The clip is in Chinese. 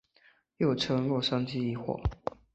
又称洛杉矶疑惑。